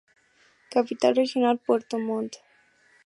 Capital Regional: Puerto Montt.